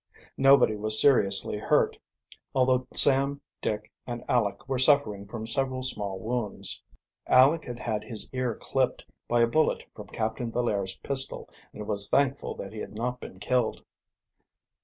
Nobody was seriously hurt, although Sam, Dick, and Aleck were suffering from several small wounds. Aleck had had his ear clipped by a bullet from Captain Villaire's pistol and was thankful that he had not been killed.